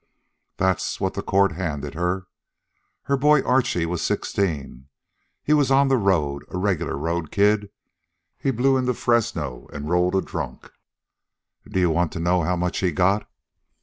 That's what the courts handed her. Her boy, Archie, was sixteen. He was on the road, a regular road kid. He blew into Fresno an' rolled a drunk. Do you want to know how much he got?